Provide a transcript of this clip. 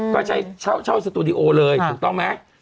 ก็ใช้เช่าสตูดิโอเลยถูกต้องไหม